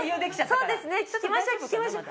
そうですね聞きましょう。